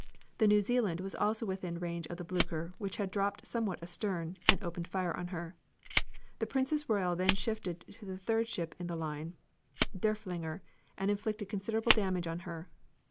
The New Zealand was also within range of the Blucher which had dropped somewhat astern, and opened fire on her. The Princess Royal then shifted to the third ship in the line (Derfflinger) inflicting considerable damage on her.